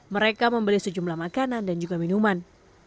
mereka membeli sejumlah makanan dan juga minuman